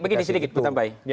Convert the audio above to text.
begini sedikit bu tambai